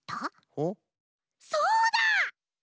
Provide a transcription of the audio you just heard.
そうだ！